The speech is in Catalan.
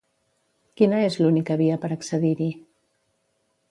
Quina és l'única via per accedir-hi?